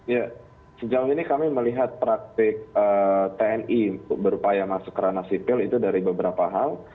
ya sejauh ini kami melihat praktik tni berupaya masuk kerana sipil itu dari beberapa hal